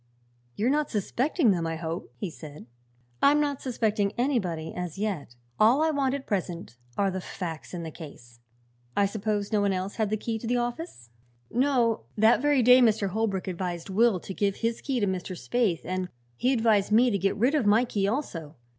"You're not suspecting them, I hope?" he said. "I'm not suspecting anybody, as yet. All I want at present are the facts in the case. I suppose no one else had a key to the office?" "No. That very day Mr. Holbrook advised Will to give his key to Mr. Spaythe, and he advised me to get rid of my key, also.